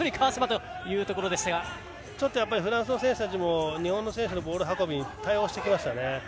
ちょっとフランスの選手たちも日本の選手のボール運びに対応してきましたね。